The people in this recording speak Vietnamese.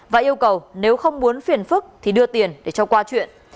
và yêu cầu nếu không muốn phiền phức thì đưa tiền để cho qua chuyện